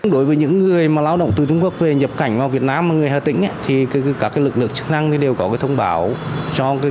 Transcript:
đối với những người lao động từ trung quốc về nhập cảnh vào việt nam là người hà tĩnh thì các lực lượng chức năng đều có thông báo cho cơ quan chức năng của hà tĩnh